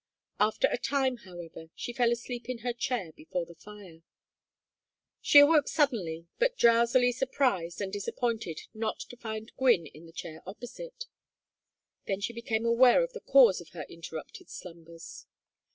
After a time, however, she fell asleep in her chair before the fire. She awoke suddenly, but drowsily surprised and disappointed not to find Gwynne in the chair opposite. Then she became aware of the cause of her interrupted slumbers.